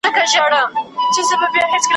په اوبو کي خپلو پښو ته په کتلو `